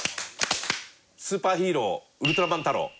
スーパーヒーローウルトラマンタロウ。